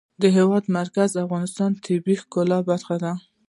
د هېواد مرکز د افغانستان د طبیعت د ښکلا برخه ده.